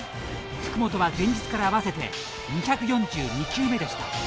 福本は前日から合わせて２４２球目でした。